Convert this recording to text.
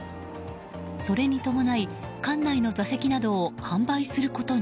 それに伴い館内の座席などを販売することに。